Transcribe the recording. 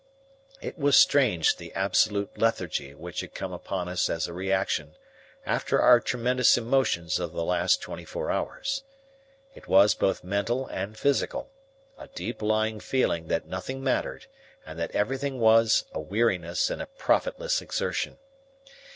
It was strange the absolute lethargy which had come upon us as a reaction after our tremendous emotions of the last twenty four hours. It was both mental and physical, a deep lying feeling that nothing mattered and that everything was a weariness and a profitless exertion.